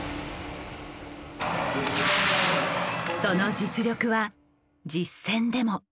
その実力は実戦でも。